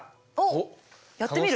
おっやってみる？